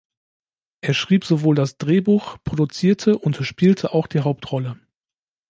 Er schrieb sowohl das Drehbuch, produzierte und spielte auch die Hauptrolle.